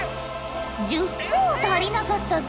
１０ほぉ足りなかったぞ。